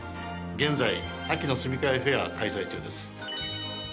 現在秋の住み替えフェア開催中です。